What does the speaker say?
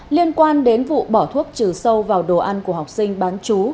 liên quan đến vụ bỏ thuốc trừ sâu vào đồ ăn của học sinh bán chú